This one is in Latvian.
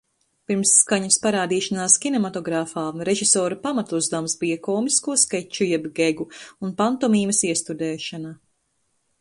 Pirms skaņas parādīšanās kinematogrāfā režisora pamatuzdevums bija komisko skeču jeb gegu un pantomīmas iestudēšana.